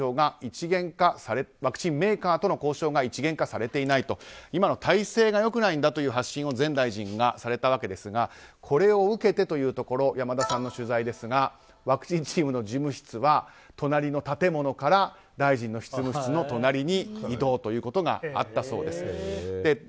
ワクチンメーカーとの交渉が一元化されていない、今の体制がよくないんだという発信を前大臣がされたわけですがこれを受けて山田さんの取材ですがワクチンチームの事務室は隣の建物から大臣の執務室の隣に移動ということがあったそうです。